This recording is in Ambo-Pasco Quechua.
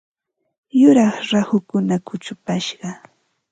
Yuraq rahukuna kuchupashqa.